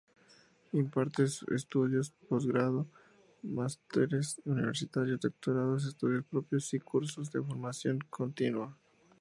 Imparte estudios de posgrado: másteres universitarios, doctorados, estudios propios, y cursos de formación continua.